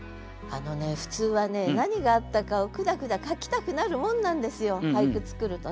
あのね普通はね何があったかをくだくだ書きたくなるもんなんですよ俳句作るとね。